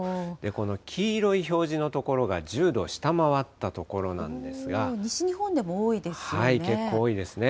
この黄色い表示の所が１０度を下西日本でも多いですよね。